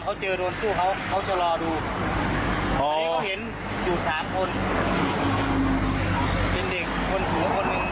เป็นเด็กคนสูงคนหัว